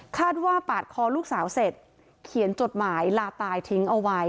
คาดว่าปาดคอลูกสาวเสร็จเขียนจดหมายลาตายทิ้งเอาไว้